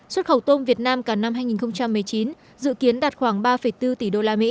xuất khẩu tôm việt nam cả năm hai nghìn một mươi chín dự kiến đạt khoảng ba bốn tỷ usd